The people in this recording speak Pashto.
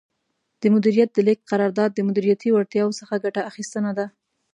د مدیریت د لیږد قرار داد د مدیریتي وړتیاوو څخه ګټه اخیستنه ده.